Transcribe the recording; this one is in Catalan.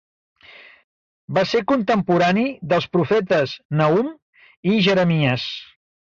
Va ser contemporani dels profetes Nahum i Jeremies.